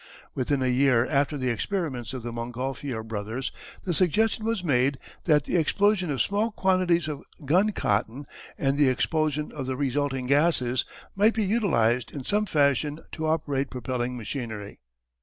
Within a year after the experiments of the Montgolfier brothers, the suggestion was made that the explosion of small quantities of gun cotton and the expulsion of the resulting gases might be utilized in some fashion to operate propelling machinery.